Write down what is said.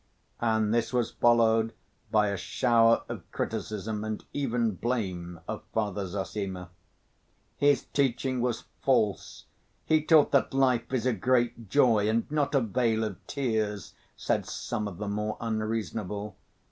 And this was followed by a shower of criticism and even blame of Father Zossima. "His teaching was false; he taught that life is a great joy and not a vale of tears," said some of the more unreasonable.